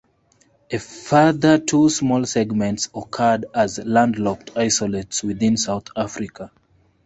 A further two small segments occurred as landlocked isolates within South Africa.